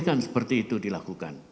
jadi kan seperti itu dilakukan